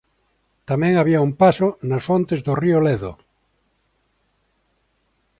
Tamén había un paso nas fontes do río Ledo.